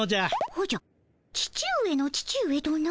おじゃ父上の父上とな。